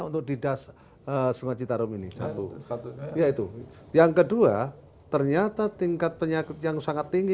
untuk di das sungai citarum ini satu satu yaitu yang kedua ternyata tingkat penyakit yang sangat tinggi